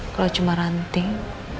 kalau cuma ranting